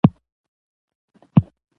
کار د مهارتونو له پراختیا سره ښه کېږي